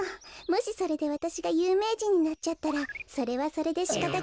もしそれでわたしがゆうめいじんになっちゃったらそれはそれでしかたがないわ。